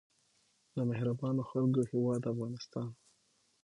د مهربانو خلکو هیواد افغانستان.